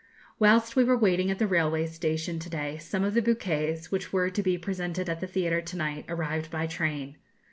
Whilst we were waiting at the railway station to day, some of the bouquets, which were to be presented at the theatre to night, arrived by train.